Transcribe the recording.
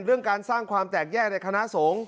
เรื่องการสร้างความแตกแยกในคณะสงฆ์